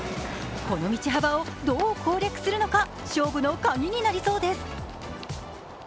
この道幅をどう攻略するのか勝負のカギになりそうです。